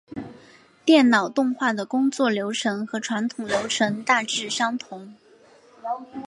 电脑动画的工作流程和传统流程大致相同。